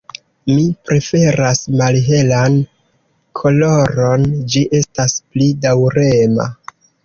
Mi preferas malhelan koloron, ĝi estas pli daŭrema.